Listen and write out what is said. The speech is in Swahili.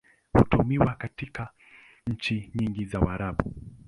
Hutumiwa hivyo katika nchi nyingi za Waarabu.